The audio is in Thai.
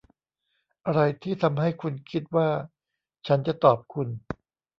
อะไรที่ทำให้คุณคิดว่าฉันจะตอบคุณ